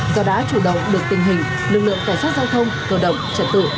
do đã chủ động được tình hình lực lượng cảnh sát giao thông cơ động trật tự